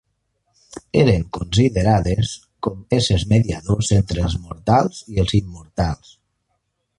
Eren considerades com éssers mediadors entre els mortals i els immortals.